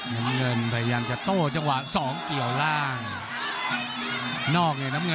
แต้นเงินต้าจังหวะ๒เกลี่ยวล่าง